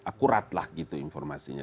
akuratlah gitu informasinya